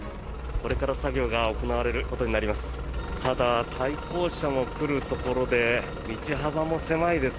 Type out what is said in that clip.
これから作業が行われることになります。